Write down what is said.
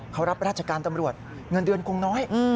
เขารับราชการตำรวจเงินเดือนคงน้อย